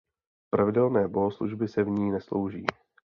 Pravidelné bohoslužby se v ní neslouží.